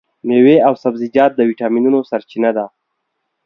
مېوې او سبزیجات د ویټامینونو سرچینه ده.